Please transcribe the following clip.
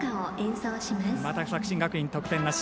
また作新学院、得点なし。